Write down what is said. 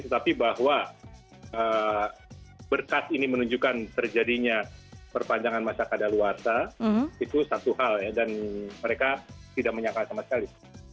tetapi bahwa berkas ini menunjukkan terjadinya perpanjangan masyarakat dan luar sana itu satu hal dan mereka tidak menyangkal sama sekali